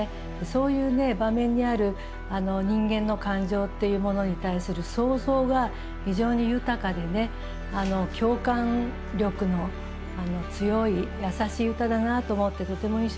そういう場面にある人間の感情っていうものに対する想像が非常に豊かで共感力の強い優しい歌だなと思ってとても印象的でしたね。